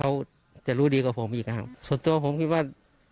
เขาจะรู้ดีกว่าผมอีกครับส่วนตัวผมคิดว่า